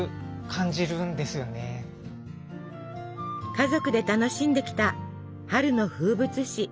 家族で楽しんできた春の風物詩。